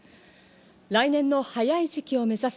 来年の早い時期を目指す